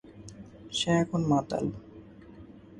সে এখন মাতাল।